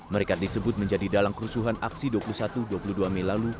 mereka disebut menjadi dalam kerusuhan aksi dua puluh satu dua puluh dua mei lalu